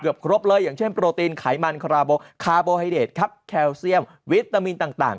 ครบเลยอย่างเช่นโปรตีนไขมันคาร์โบไฮเดทครับแคลเซียมวิตามินต่าง